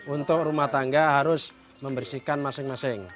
untuk rumah tangga harus membersihkan masing masing